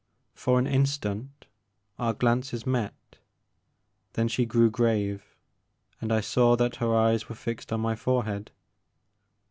For an instant our glances met, then she grew grave, and I saw that her eyes were fixed on my forehead.